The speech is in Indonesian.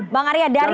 bang arya dari hasil